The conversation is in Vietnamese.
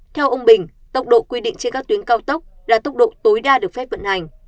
theo ông bình tốc độ quy định trên các tuyến cao tốc là tốc độ tối đa được phép vận hành